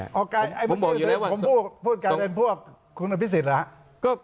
อะไรปกติผมพูดกันเป็นพวกคุณปิศิษฐ์หรือ